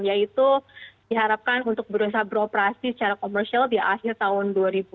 yaitu diharapkan untuk berusaha beroperasi secara komersial di akhir tahun dua ribu dua puluh